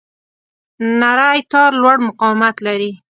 نری تار لوړ مقاومت لري.